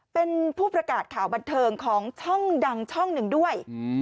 เป็นผู้ประกาศข่าวบันเทิงของช่องดังช่องหนึ่งด้วย